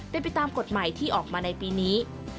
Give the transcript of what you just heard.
เป็นไปตามกฎหมายที่ออกมาในปีนี้